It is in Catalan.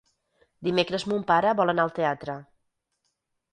Dimecres mon pare vol anar al teatre.